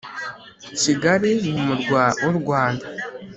Kigali ni umurwa mukuru wurwanda